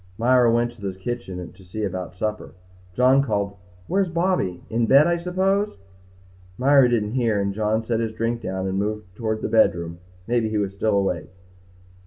Myra went to the kitchen to see about supper. John called, "Where's Bobby? In bed I suppose." Myra didn't hear and John set his drink down and moved toward the bedroom. Maybe he was still awake.